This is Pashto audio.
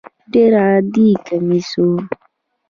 ډېر عادي کمیس و.